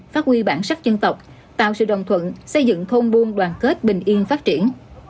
phát huy bản sắc dân tộc tạo sự đồng thuận xây dựng thôn buôn đoàn kết bình yên phát triển